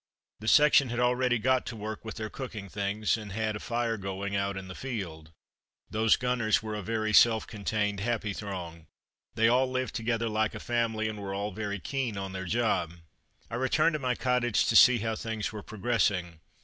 The section had already got to work with their cooking things, and had a fire going out in the field. Those gunners were a very self contained, happy throng; they all lived together like a family, and were all very keen on their job. I returned to my cottage to see how things were progressing.